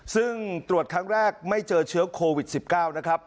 ซึ่งตรวจครั้งแรกไม่เจอเชื้อโควิด๑๙นะครับ